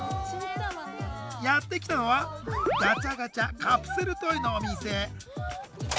やって来たのはガチャガチャカプセルトイのお店！